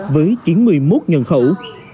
với chỉ một mươi một nhân khẩu